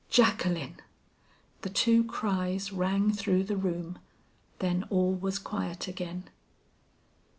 "Jacqueline!" The two cries rang through the room, then all was quiet again.